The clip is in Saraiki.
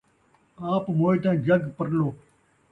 آپ موئے تاں جَگ پَرلّو